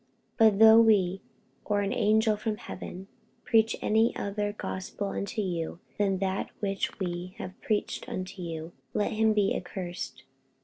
48:001:008 But though we, or an angel from heaven, preach any other gospel unto you than that which we have preached unto you, let him be accursed.